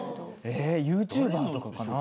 えぇＹｏｕＴｕｂｅｒとかかな。